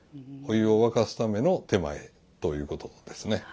お湯を沸かすための点前ということですね。